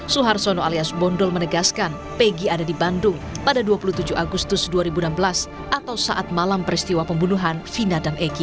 suhartono alias bondol menegaskan pegi ada di bandung pada dua puluh tujuh agustus dua ribu enam belas atau saat malam peristiwa pembunuhan vina dan egy